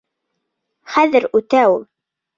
Хәҙер үтә ул.